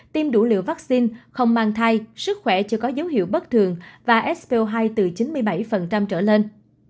tiêm đủ liều vaccine không mang thai sức khỏe chưa có dấu hiệu bất thường và so hai từ chín mươi bảy trở lên